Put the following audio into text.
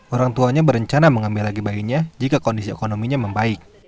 orang tuanya berencana mengambil lagi bayinya jika kondisi ekonominya membaik